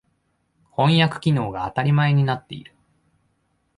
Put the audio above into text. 翻訳機能が当たり前になっている。